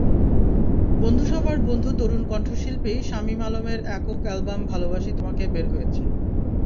বন্ধুসভার বন্ধু তরুণ কণ্ঠশিল্পী শামীম আলমের একক অ্যালবাম ভালবাসি তোমাকে বের হয়েছে।